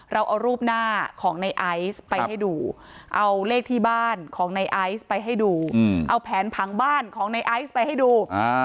เราเอารูปหน้าของในไอซ์ไปให้ดูเอาเลขที่บ้านของในไอซ์ไปให้ดูเอาแผนผังบ้านของในไอซ์ไปให้ดู